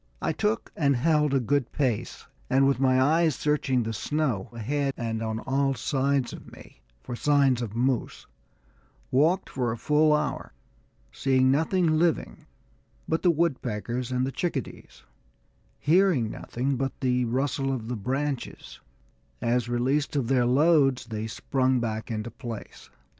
I took and held a good pace, and with my eyes searching the snow ahead and on all sides of me for signs of moose, walked for a full hour, seeing nothing living but the woodpeckers and the chickadees, hearing nothing but the rustle of the branches, as released of their loads they sprang back into place.